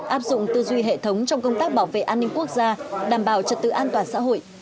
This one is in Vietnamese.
áp dụng tư duy hệ thống trong công tác bảo vệ an ninh quốc gia đảm bảo trật tự an toàn xã hội